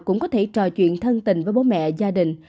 cũng có thể trò chuyện thân tình với bố mẹ gia đình